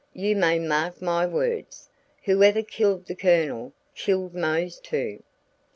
You may mark my words; whoever killed the Colonel, killed Mose, too."